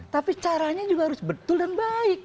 tapi caranya juga harus betul dan baik